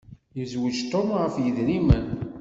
Yezweǧ Tom ɣef yedrimen.